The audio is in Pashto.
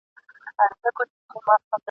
شپه تاریکه ده نګاره چي رانه سې ..